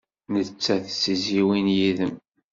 Nettat d tizzyiwin yid-m.